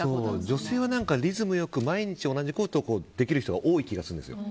女性はリズムよく毎日同じことをできる人が多い気がするんですよ。